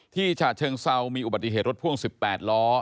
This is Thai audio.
ฉะเชิงเซามีอุบัติเหตุรถพ่วง๑๘ล้อ